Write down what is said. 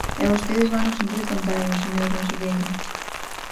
E vostedes van no sentido contrario, señora conselleira.